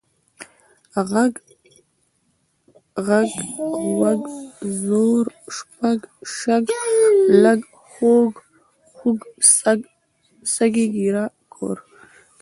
غږ، ږغ، غوَږ، ځوږ، شپږ، شږ، لږ، خوږ، خُوږ، سږ، سږی، ږېره، کوږ،